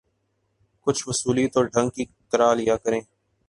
کچھ وصولی تو ڈھنگ کی کرا لیا کریں۔